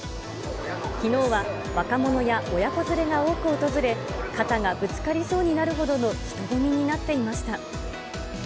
きのうは若者や親子連れが多く訪れ、肩がぶつかりそうになるほどの人混みになっていました。